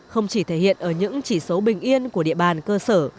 không chỉ thể hiện ở những chỉ số bình yên của địa bàn cơ sở